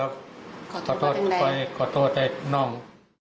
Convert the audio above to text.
ขอโทษขอโทษไอ้ทดินอง